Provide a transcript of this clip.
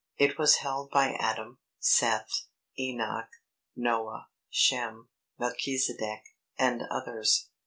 It was held by Adam, Seth, Enoch, Noah, Shem, Melchisedec, and others.